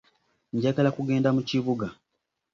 Njagala kugenda mu kibuga.